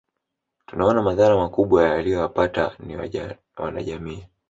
Tunaona madhara makubwa waliyoyapata ni wanajamii